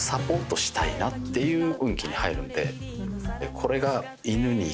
これが。